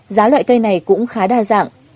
giá loại cây này cũng khá đa dạng